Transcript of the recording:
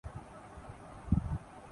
اب ہو گا